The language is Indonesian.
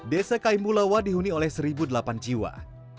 desa kaim bulawa dihuni oleh seribu delapan jiwa